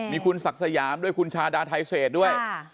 มีคุณศักดิ์สยามด้วยคุณชาดาไทเศษด้วย